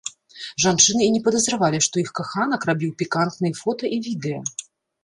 Жанчыны і не падазравалі, што іх каханак рабіў пікантныя фота і відэа.